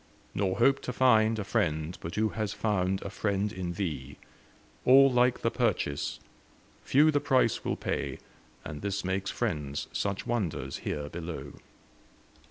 Nor hope to find A friend, but who has found a friend in thee. All like the purchase; few the price will pay And this makes friends such wonders here below.